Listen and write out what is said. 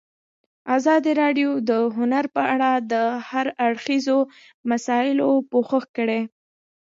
ازادي راډیو د هنر په اړه د هر اړخیزو مسایلو پوښښ کړی.